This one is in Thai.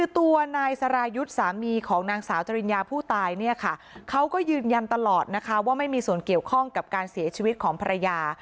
ตัวนายสรายุทธ์สามีของนางสาวจริญญาผู้ตายเนี่ยค่ะเขาก็ยืนยันตลอดนะคะว่าไม่มีส่วนเกี่ยวข้องกับการเสียชีวิตของภรรยา